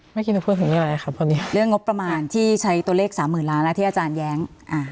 เมื่อกี้ไปพูดถึงเรื่องอะไรครับตอนนี้เรื่องงบประมาณที่ใช้ตัวเลขสามหมื่นล้านแล้วที่อาจารย์แย้ง